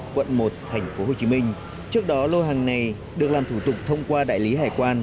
quận một tp hcm trước đó lô hàng này được làm thủ tục thông qua đại lý hải quan